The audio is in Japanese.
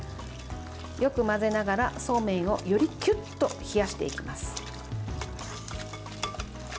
よく混ぜながら、そうめんをよりキュッと冷やしていきます。